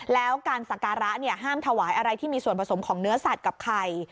แล้วการสักการะห้ามถวายอะไรที่มีส่วนผสมของเนื้อสัตว์กับไข่